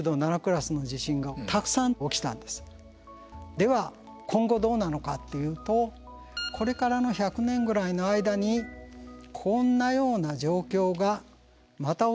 では今後どうなのかっていうとこれからの１００年ぐらいの間にこんなような状況がまた起きるんではないか。